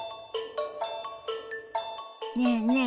ねえねえ